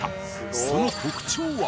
［その特徴は］